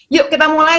yuk kita mulai